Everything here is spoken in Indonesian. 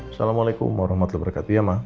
assalamualaikum warahmatullahi wabarakatuh ya ma